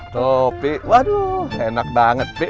tuh pi waduh enak banget pi